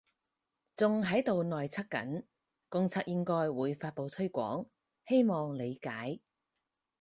仲喺度內測緊，公測應該會發佈推廣，希望理解